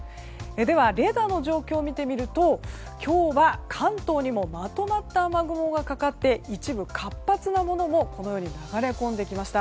レーダーの状況を見てみると今日は関東にもまとまった雨雲がかかって一部活発なものもこのように流れ込んできました。